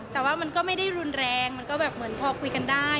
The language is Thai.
แต่ว่ามันก็ไม่ได้รุนแรงมันก็แบบเหมือนพอคุยกันได้